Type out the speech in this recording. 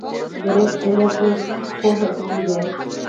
درېیم علت یې خو حتمي دی.